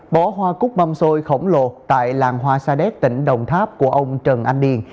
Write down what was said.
bó hoa cúc mâm xôi khổng lồ tại làng hoa sa đéc tỉnh đồng tháp của ông trần anh điền